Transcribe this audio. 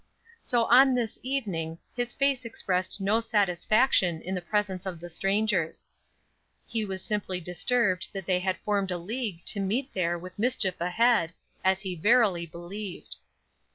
So on this evening his face expressed no satisfaction in the presence of the strangers. He was simply disturbed that they had formed a league to meet here with mischief ahead, as he verily believed.